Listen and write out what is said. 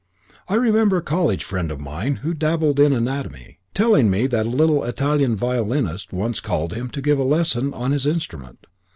I remember a college friend of mine, who dabbled in anatomy, telling me that a little Italian violinist once called on him to give a lesson on his instrument.